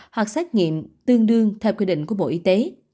hoặc xét nghiệm tương đương theo quy định của bộ y tế